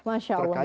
masya allah betul